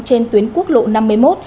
trên tuyến quốc lộ năm mươi một